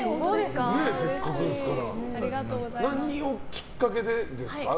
せっかくですから。何をきっかけでですか？